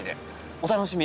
お楽しみ？